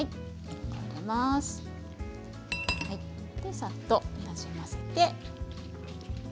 さっとなじませて。